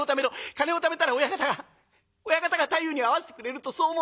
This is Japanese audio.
金をためたら親方が親方が太夫に会わせてくれる』とそう申しました。